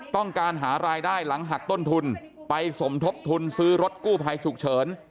ต้องการหารายได้หลังหักต้นทุนไปสมทบทุนซื้อรถกู้ภัยฉุกเฉิน